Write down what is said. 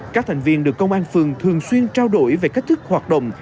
các thành viên được công an phường thường xuyên trao đổi về cách thức hoạt động